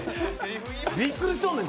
びっくりしとんねん。